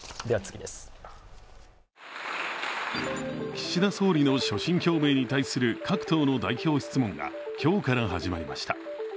岸田総理の所信表明に対する各党の代表質問が今日から始まりました。